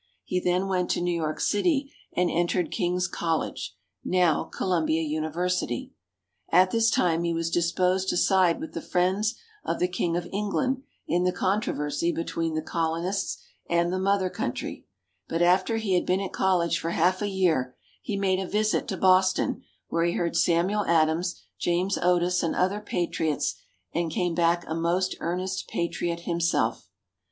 He then went to New York City, and entered King's College, now Columbia University. At this time, he was disposed to side with the friends of the King of England in the controversy between the Colonists and the Mother Country; but after he had been at college for half a year, he made a visit to Boston where he heard Samuel Adams, James Otis, and other Patriots, and came back a most earnest Patriot himself.